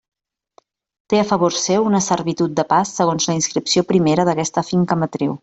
Té a favor seu una servitud de pas segons la inscripció primera d'aquesta finca matriu.